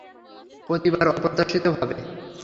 প্রতিবার অপ্রত্যাশিত ভাবে।